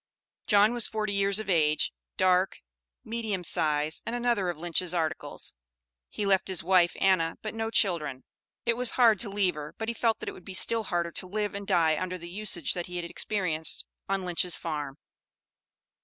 John was forty years of age, dark, medium size, and another of Lynch's "articles." He left his wife Anna, but no children; it was hard to leave her, but he felt that it would be still harder to live and die under the usage that he had experienced on Lynch's farm.